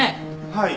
はい。